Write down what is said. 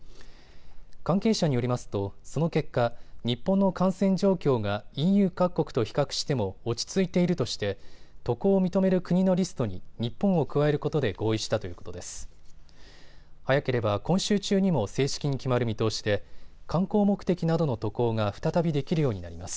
関係者によりますとその結果、日本の感染状況がＥＵ各国と比較しても落ち着いているとして渡航を認める国のリストに日本を加えることで合意したということです。